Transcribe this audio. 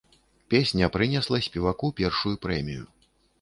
Песня прынесла спеваку першую прэмію.